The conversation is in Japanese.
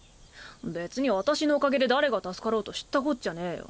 別に私のおかげで誰が助かろうと知ったこっちゃねぇよ。